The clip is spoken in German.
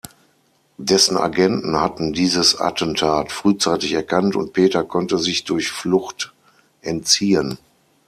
Dessen Agenten hatten dieses Attentat frühzeitig erkannt und Peter konnte sich durch Flucht entziehen.